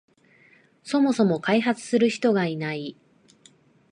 そもそも開発する人がいない